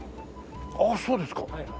ああっそうですか。